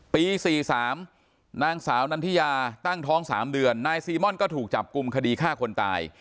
ปี๔๓นางสาวนันทิยาตั้งท้อง๓เดือนนายซีม่อนก็ถูกจับกลุ่มคดีฆ่าคนตาย